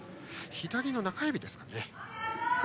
左の中指ですかね。